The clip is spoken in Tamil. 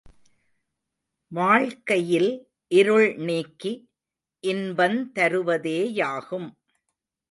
வாழ்க்கையில் இருள் நீக்கி இன்பந் தருவதேயாகும்.